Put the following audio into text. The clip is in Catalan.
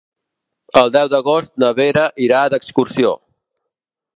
El deu d'agost na Vera irà d'excursió.